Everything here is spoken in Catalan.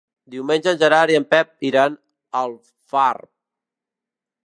Diumenge en Gerard i en Pep iran a Alfarb.